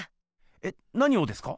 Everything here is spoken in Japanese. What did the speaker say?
えっなにをですか？